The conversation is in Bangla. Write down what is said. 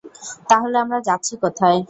তাহলে আমরা যাচ্ছি কোথায়?